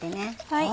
はい。